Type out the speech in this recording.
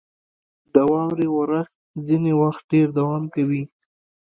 • د واورې اورښت ځینې وخت ډېر دوام کوي.